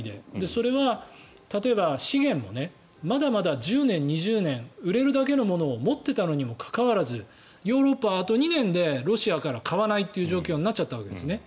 それは例えば、資源もまだまだ１０年、２０年売れるだけのものを持っていたのにもかかわらずヨーロッパはあと２年でロシアから買わないという状況になっちゃったわけですね。